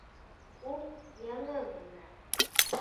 Ул яңы ғына...